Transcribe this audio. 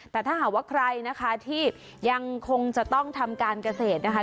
แต่ถ้าหากว่าใครนะคะที่ยังคงจะต้องทำการเกษตรนะคะ